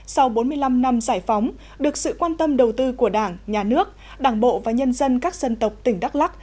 sau bốn mươi năm năm giải phóng được sự quan tâm đầu tư của đảng nhà nước đảng bộ và nhân dân các dân tộc tỉnh đắk lắc